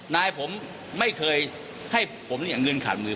นายผมไม่เคยให้ผมเนี่ยเงินขาดมือ